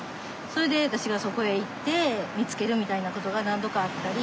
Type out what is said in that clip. それで私がそこへ行って見つけるみたいな事が何度かあったり。